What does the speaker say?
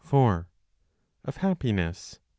Of Happiness, 46.